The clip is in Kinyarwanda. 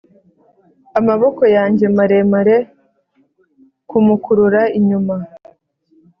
amaboko yanjye maremare kumukurura inyuma.